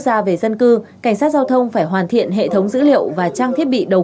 gia về dân cư cảnh sát giao thông phải hoàn thiện hệ thống dữ liệu và trang thiết bị đầu